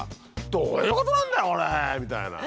「どういうことなんだ！これ」みたいな。